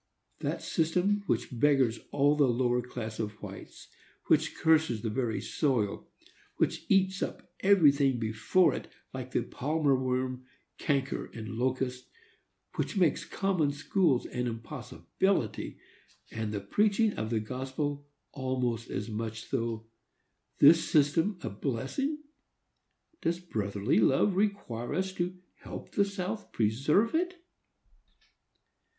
That system which beggars all the lower class of whites, which curses the very soil, which eats up everything before it, like the palmer worm, canker and locust,—which makes common schools an impossibility, and the preaching of the gospel almost as much so,—this system a blessing! Does brotherly love require us to help the South preserve it?